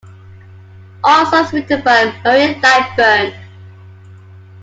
All songs written by Murray Lightburn.